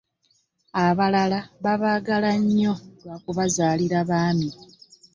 Abalala babaagala nnyo lwa kubazaalira baami.